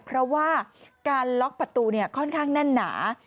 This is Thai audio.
เพราะว่าการล็อกประตูค่อนข้างแน่นหนา